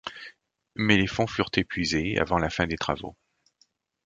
Mais les fonds furent épuisés avant la fin des travaux.